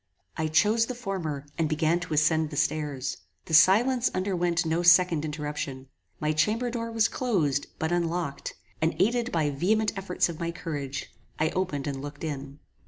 I chose the former, and began to ascend the stairs. The silence underwent no second interruption. My chamber door was closed, but unlocked, and, aided by vehement efforts of my courage, I opened and looked in.